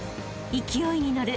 ［勢いに乗る］